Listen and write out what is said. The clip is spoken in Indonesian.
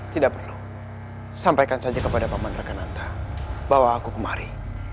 tidak perlu sampaikan saja kepada paman rekananta bahwa aku kemari